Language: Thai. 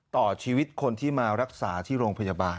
ต่อชีวิตคนที่มารักษาที่โรงพยาบาล